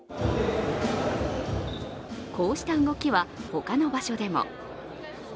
こうした動きは、他の場所でも。